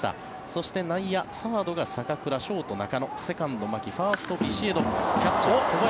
そして内野、サードが坂倉ショート、中野セカンド、牧ファースト、ビシエドキャッチャー、小林。